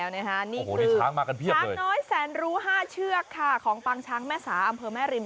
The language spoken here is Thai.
นี้คือช้างน้อยแสนรู้ห้าเชือกของปังช้างแม่สาบเผอร์แม่ริม